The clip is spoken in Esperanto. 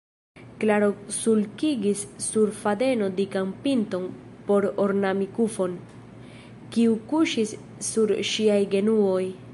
Klaro sulkigis sur fadeno dikan pinton por ornami kufon, kiu kuŝis sur ŝiaj genuoj.